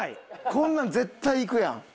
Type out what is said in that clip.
こんなん絶対いくやん。